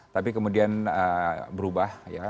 tapi kemudian berubah ya